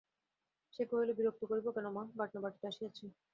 সে কহিল, বিরক্ত করিব কেন মা, বাটনা বাটিতে আসিয়াছি।